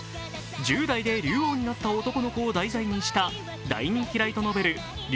１０代で竜王になった男の子を題材にした大人気ライトノベル